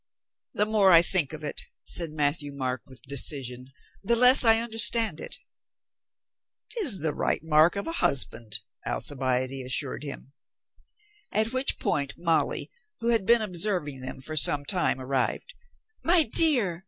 "The more I think of it," said Matthieu Marc with decision, "the less I understand it." " 'Tis the right mark of a husband," Alcibiade assured him. At which point Molly, who had been observing them for some time, arrived. "My dear!"